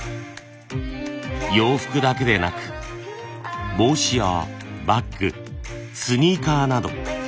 洋服だけでなく帽子やバッグスニーカーなど。